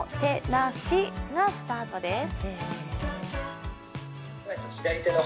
な・しがスタートです。